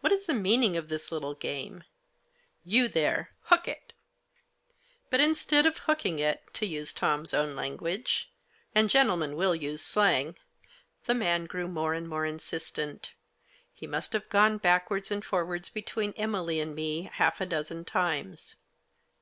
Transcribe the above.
What is the meaning of this little game ? You, there, hook it !" But instead of hooking it, to use Tom's own language, and gentlemen will use slang, the man grew more and more insistent. He must have gone back wards and forwards between Emily and me half a dozen times.